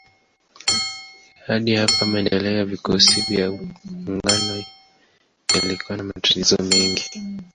Hadi hapa maendeleo ya vikosi vya maungano yalikuwa na matatizo mengi.